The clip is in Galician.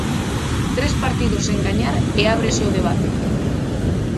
Tres partidos sen gañar e ábrese o debate.